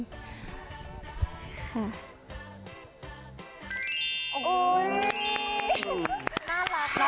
น่ารักค่ะ